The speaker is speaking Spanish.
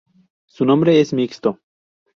Su nombre es mixto.